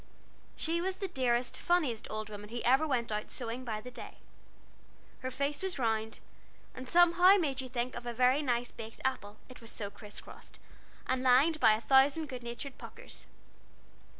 She was the dearest, funniest old woman who ever went out sewing by the day. Her face was round, and somehow made you think of a very nice baked apple, it was so criss crossed, and lined by a thousand good natured puckers.